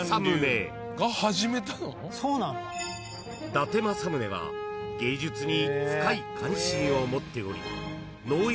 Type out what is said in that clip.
［伊達政宗は芸術に深い関心を持っており］